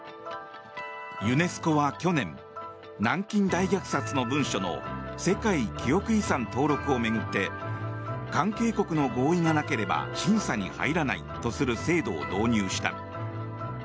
ユネスコは去年南京大虐殺の文書の世界記憶遺産登録を巡って関係国の合意がなければ審査に入らないとする制度を導入した。